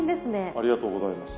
ありがとうございます。